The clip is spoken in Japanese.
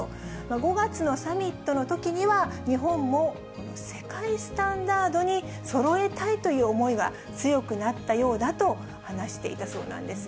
５月のサミットのときには、日本も世界スタンダードにそろえたいという思いが強くなったようだと話していたそうなんですね。